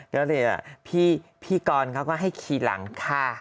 แล้วนี่พี่กรเขาก็ให้ขีดหลังค่ะ